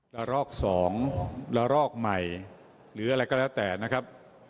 ละลอก๒ระลอกใหม่หรืออะไรก็แล้วแต่นะครับ